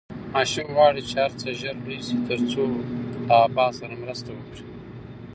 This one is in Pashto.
ماشوم غواړي چې هر څه ژر لوی شي ترڅو له ابا سره مرسته وکړي.